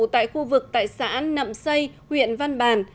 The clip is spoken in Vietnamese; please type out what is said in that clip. tại khu vực tại xã nậm xây huyện văn bàn